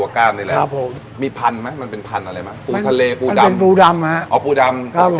ครับผม